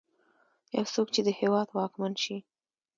يو څوک چې د هېواد واکمن شي.